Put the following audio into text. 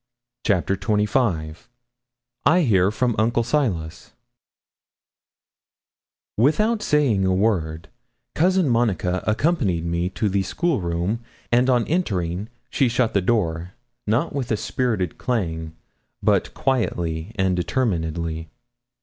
CHAPTER XXV I HEAR FROM UNCLE SILAS Without saying a word, Cousin Monica accompanied me to the school room, and on entering she shut the door, not with a spirited clang, but quietly and determinedly.